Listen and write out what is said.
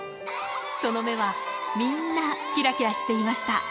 その目はみんなきらきらしていました。